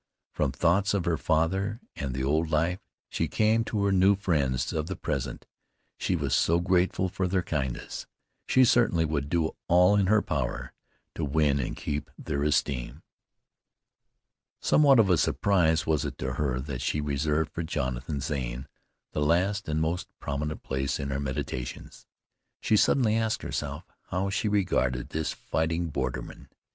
From thoughts of her father, and the old life, she came to her new friends of the present. She was so grateful for their kindness. She certainly would do all in her power to win and keep their esteem. Somewhat of a surprise was it to her, that she reserved for Jonathan Zane the last and most prominent place in her meditations. She suddenly asked herself how she regarded this fighting borderman.